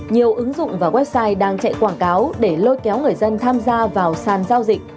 nhiều ứng dụng và website đang chạy quảng cáo để lôi kéo người dân tham gia vào sàn giao dịch